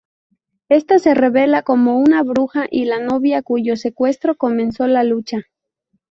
Esta se revela como una bruja y la novia, cuyo secuestro comenzó la lucha.